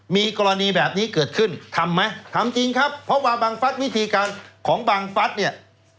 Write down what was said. มีกรณีแบบนี้เกิดขึ้นทำไหมทำจริงครับเพราะว่าบังฟัสวิธีการของบังฟัสเนี่ย